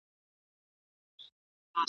هغه د خپلو ملګرو مشوره تل اورېدله.